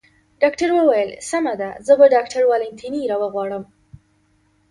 ډاکټر وویل: سمه ده، زه به ډاکټر والنتیني را وغواړم.